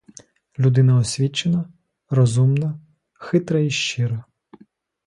Людина освічена, розумна, хитра і щира.